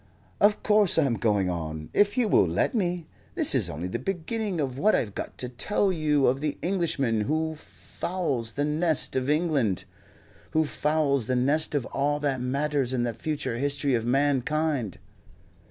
"Of course I'm going on, if you will let me. This is only the beginning of what I've got to tell you of the Englishman who fouls the nest of England who fouls the nest of all that matters in the future history of mankind."